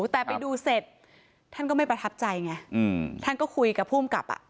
แต่ไปดูเสร็จท่านก็ไม่ประทับใจไงท่านก็คุยกับผู้อำกับ